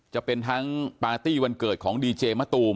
จะเป็นทั้งปาร์ตี้วันเกิดของดีเจมะตูม